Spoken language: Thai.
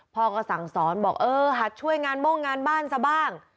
พ่อก็สั่งสอนบอกเออหัดช่วยงานโม่งงานบ้านซะบ้าง